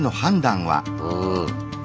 うん。